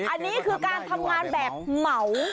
อันนี้คือการทำงานแบบเหมา